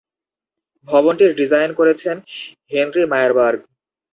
ভবনটির ডিজাইন করেছেন Henry Myerberg.